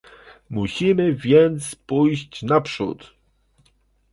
Musimy więc pójść naprzód